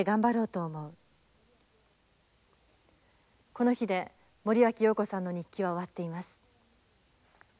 この日で森脇瑤子さんの日記は終わっています。